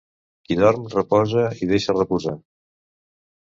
Qui dorm, reposa i deixa reposar.